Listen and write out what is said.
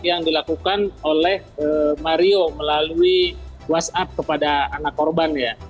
yang dilakukan oleh mario melalui whatsapp kepada anak korban ya